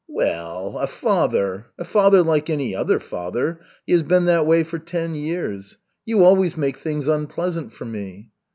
"Well a father! A father like any other father. He has been that way for ten years. You always make things unpleasant for me."